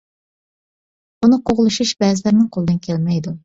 ئۇنى قوغلىشىش بەزىلەرنىڭ قولىدىن كەلمەيدۇ.